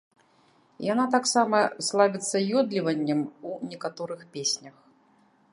Яна таксама славіцца ёдліваннем у некаторых песнях.